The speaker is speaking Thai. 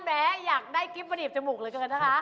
แม้อยากได้คลิกสดิบจมูกเหลือเกินนะคะ